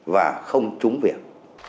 và không trúng việc